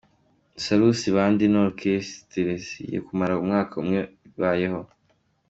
Salusi Bandi ni Orikeresitereigiye kumara umwaka umwe ibayeho.